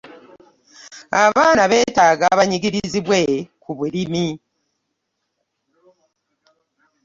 Abaana beetaaga banyigirizibwe ku bulimi.